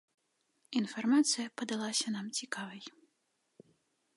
Інфармацыя падалася нам цікавай.